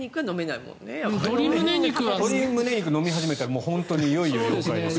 鶏胸肉を飲み始めたら本当に、いよいよ妖怪ですね。